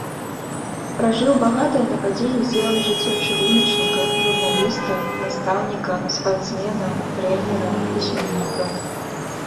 Пражыў багатае на падзеі і з'явы жыццё чыгуначніка, журналіста, настаўніка, спартсмена, трэнера, пісьменніка.